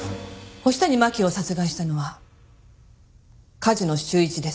星谷真輝を殺害したのは梶野修一です。